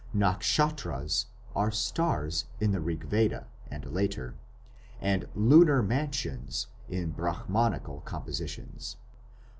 "Nakshatras" are stars in the Rigveda and later, and "lunar mansions" in Brahmanical compositions.